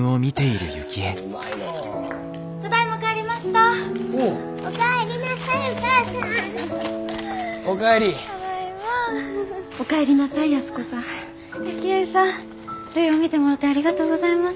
るいを見てもろうてありがとうございます。